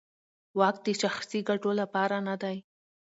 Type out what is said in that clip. واک د شخصي ګټو لپاره نه دی.